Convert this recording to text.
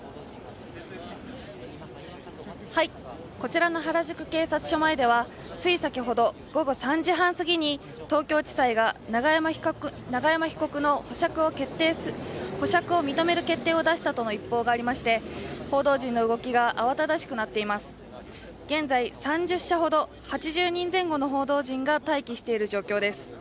こちらの原宿警察署前では、つい先ほど、午後３時３０分前に東京地裁が永山被告の保釈を認める決定を出したとの一報がありまして報道陣の動きが慌ただしくなっています、現在、３０社ほど、８０人前後の報道陣が待機している状況です。